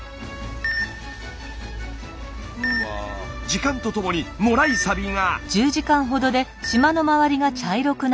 時間とともにもらいサビが。